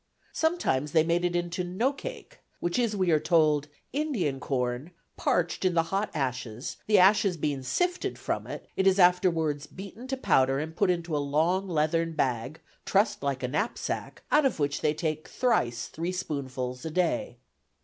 Sometimes they made it into "No cake," which is, we are told, "Indian corn, parched in the hot ashes, the ashes being sifted from it; it is afterwards beaten to powder and put into a long leatherne bag, trussed like a knapsacke, out of which they take thrice three spoonfuls a day."